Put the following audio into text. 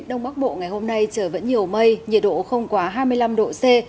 đông bắc bộ ngày hôm nay trời vẫn nhiều mây nhiệt độ không quá hai mươi năm độ c